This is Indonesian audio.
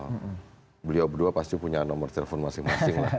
karena beliau berdua pasti punya nomor telepon masing masing lah